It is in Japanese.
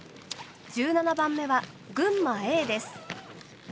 １７番目は群馬Ａです。